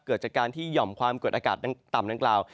เกิดจากการที่หย่อมความกดอากาศต่ำดังกล่าว